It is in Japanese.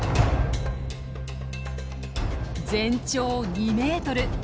全長２メートル。